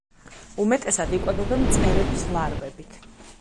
უმეტესად იკვებება მწერების ლარვებით.